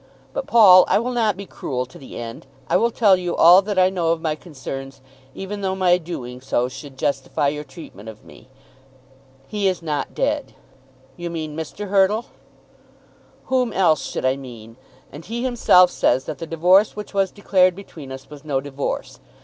But, Paul, I will not be cruel to the end. I will tell you all that I know of my concerns, even though my doing so should justify your treatment of me. He is not dead." "You mean Mr. Hurtle." "Whom else should I mean? And he himself says that the divorce which was declared between us was no divorce. Mr.